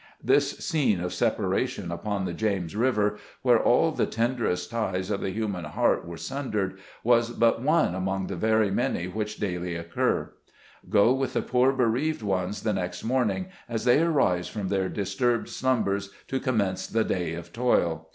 This scene of separation upon the James River, where all the tenderest ties of the human heart were sundered, was but one among the very many which occur daily. Go with the poor bereaved ones the next morning, as they arise from their disturbed slumbers to commence the day of toil.